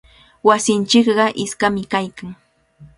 Wasinchikqa iskami kaykan.